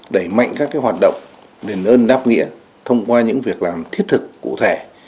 đẩy mạnh các hoạt động đền ơn đáp nghĩa thông qua những việc làm thiết thực cụ thể